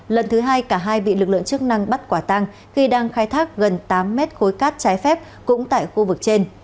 lần thứ hai cả hai bị lực lượng chức năng bắt quả tăng khi đang khai thác gần tám mét khối cát trái phép cũng tại khu vực trên